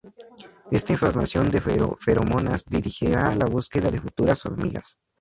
Esta información de feromonas dirigirá la búsqueda de futuras hormigas.